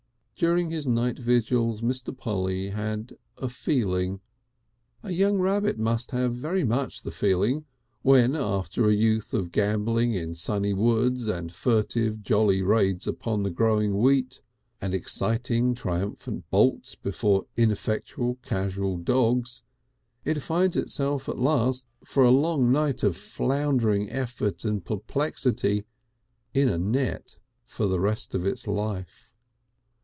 During his night vigils Mr. Polly had a feeling A young rabbit must have very much the feeling, when after a youth of gambolling in sunny woods and furtive jolly raids upon the growing wheat and exciting triumphant bolts before ineffectual casual dogs, it finds itself at last for a long night of floundering effort and perplexity, in a net for the rest of its life.